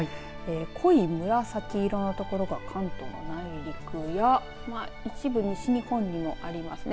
濃い紫色のところが関東内陸や一部、西日本にもありますね。